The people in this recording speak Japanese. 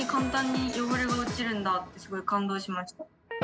すごい感動しました。